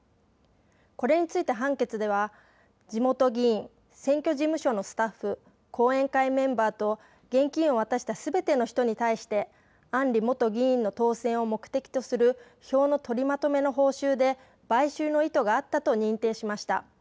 これについて判決では地元議員、選挙事務所のスタッフ、後援会メンバーと現金を渡したすべての人に対して案里元議員の当選を目的とする票の取りまとめの報酬で買収の意図があったと認定しました。